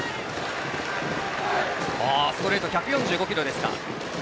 ストレート、１４５キロですか。